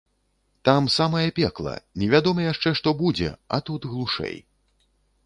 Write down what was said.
Там самае пекла, невядома яшчэ, што будзе, а тут глушэй.